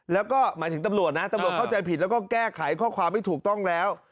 แล้วก็หมายถึงตำรวจนะตำรวจเข้าใจผิดแล้วก็แก้ไขข้อความให้ถูกต้องแล้ว